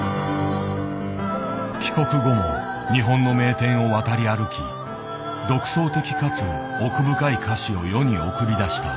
帰国後も日本の名店を渡り歩き独創的かつ奥深い菓子を世に送り出した。